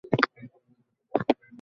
এক দুই তিন, এই নাও।